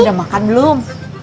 udah makan belum